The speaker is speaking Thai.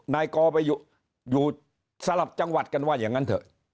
นายกอไปอยู่สลับจังหวัดกันว่าอย่างนั้นเถอะ